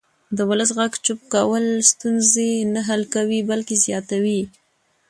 د ولس غږ چوپ کول ستونزې نه حل کوي بلکې زیاتوي